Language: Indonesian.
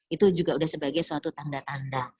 itu juga sudah sebagai suatu tanda tanda